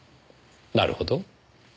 なるほど。